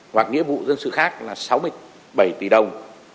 và nghĩa vụ dân sự khác là sáu mươi bảy tỷ đồng